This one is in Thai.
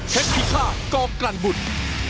เพชรพิฆาตกอมกลันบุตร